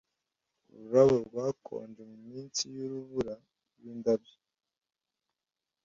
ururabo rwakonje munsi yurubura rwindabyo,